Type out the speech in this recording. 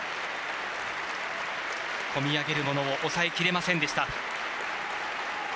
こみ上げるものを抑えきれませんでした。